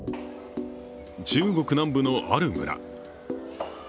中国南部の、ある村。